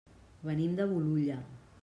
Venim de Bolulla.